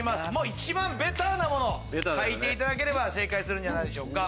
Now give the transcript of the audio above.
一番ベタなの書いていただければ正解するんじゃないでしょうか。